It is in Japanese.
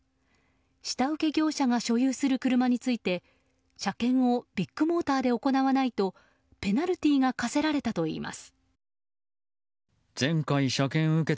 下請け業者が所有する車について車検をビッグモーターで行わないとペナルティーが科されたといいます。